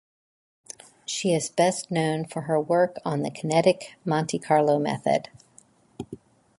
She is best known for her work on the Kinetic Monte Carlo method.